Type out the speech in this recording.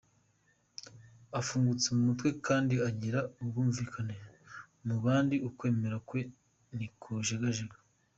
Afungutse mu mutwe kandi agira ubwumvikane mu bandi, ukwemera kwe ntikujegajega.